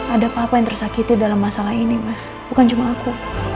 ada apa apa yang tersakiti dalam masalah ini mas bukan cuma aku